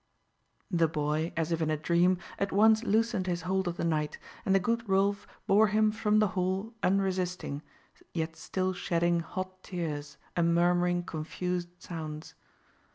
The boy, as if in a dream, at once loosened his hold of the knight; and the good Rolf bore him from the hall unresisting, yet still shedding hot tears and murmuring confused sounds.